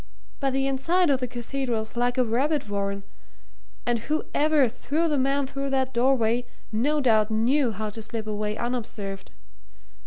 But the inside of the Cathedral's like a rabbit warren, and whoever threw the man through that doorway no doubt knew how to slip away unobserved.